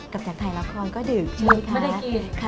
กลับจากไทรละครก็ดื่มใช่ไหมคะ